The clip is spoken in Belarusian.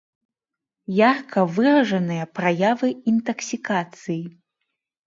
Ярка выражаныя праявы інтаксікацыі.